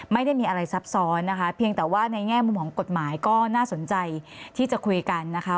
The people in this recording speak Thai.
ไม่ได้มีอะไรซับซ้อนนะคะเพียงแต่ว่าในแง่มุมของกฎหมายก็น่าสนใจที่จะคุยกันนะคะ